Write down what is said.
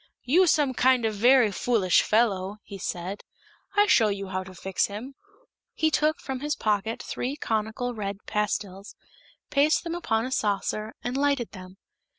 "You some kind of very foolish fellow," he said. "I show you how to fix him!" He took from his pocket three conical red pastils, placed them upon a saucer and lighted them.